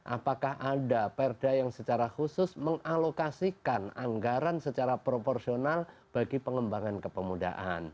apakah ada perda yang secara khusus mengalokasikan anggaran secara proporsional bagi pengembangan kepemudaan